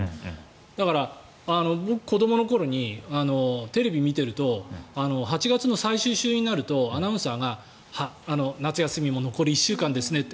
だから僕、子どもの頃にテレビを見ていると８月の最終週になるとアナウンサーが夏休みも残り１週間ですねって。